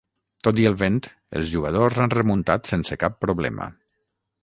Tot i el vent, els jugadors han remuntat sense cap problema.